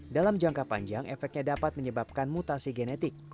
dalam jangka panjang efeknya dapat menyebabkan mutasi genetik